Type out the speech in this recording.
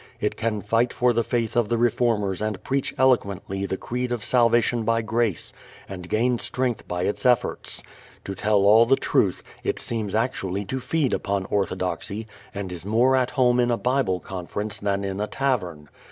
It can fight for the faith of the Reformers and preach eloquently the creed of salvation by grace, and gain strength by its efforts. To tell all the truth, it seems actually to feed upon orthodoxy and is more at home in a Bible Conference than in a tavern.